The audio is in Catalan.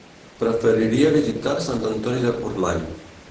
Preferiria visitar Sant Antoni de Portmany.